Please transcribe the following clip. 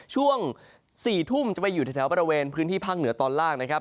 ช่วง๔ทุ่มจะไปอยู่แถวบริเวณพื้นที่ภาคเหนือตอนล่างนะครับ